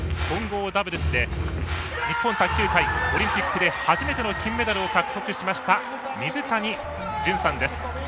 混合ダブルスで日本卓球界オリンピックで初めての金メダルを獲得しました水谷隼さんです。